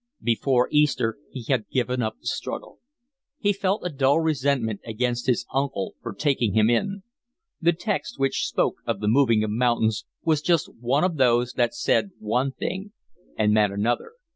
Before Easter he had given up the struggle. He felt a dull resentment against his uncle for taking him in. The text which spoke of the moving of mountains was just one of those that said one thing and meant another.